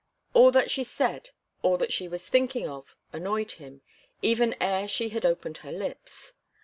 All that she said, all that she was thinking of, annoyed him, even ere she had opened her lips.